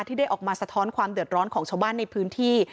ได้ออกมาสะท้อนความเดือดร้อนของชาวบ้านในพื้นที่